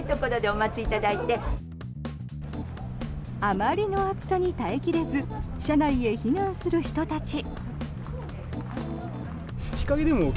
あまりの暑さに耐え切れず車内へ避難する人たち。